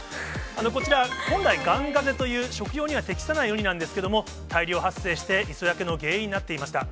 こちら、本来、ガンガゼという食用には適さないウニなんですけれども、大量発生して磯焼けの原因になっていました。